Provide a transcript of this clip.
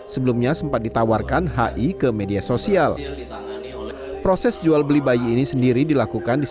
sebelumnya sempat ditawarkan hi ke media sosial proses jual beli bayi ini sendiri dilakukan di